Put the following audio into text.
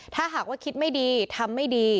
ถ้าหากว่าคิดไม่ดีทำไม่ดี